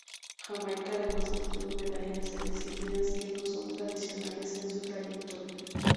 Jamaica además obtuvo medallas en disciplinas que no son tradicionales en su trayectoria.